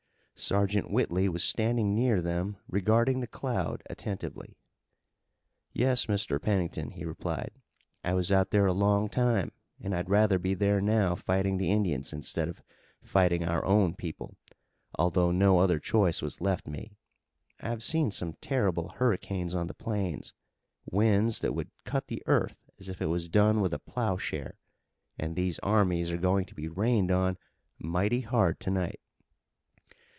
Sergeant Whitley was standing near them regarding the cloud attentively. "Yes, Mr. Pennington," he replied. "I was out there a long time and I'd rather be there now fighting the Indians, instead of fighting our own people, although no other choice was left me. I've seen some terrible hurricanes on the plains, winds that would cut the earth as if it was done with a ploughshare, and these armies are going to be rained on mighty hard to night."